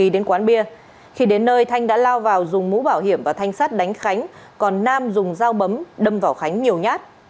khi đến quán bia khi đến nơi thanh đã lao vào dùng mũ bảo hiểm và thanh sát đánh khánh còn nam dùng dao bấm đâm vào khánh nhiều nhát